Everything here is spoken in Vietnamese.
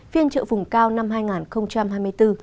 phiên trợ vùng cao năm hai nghìn hai mươi bốn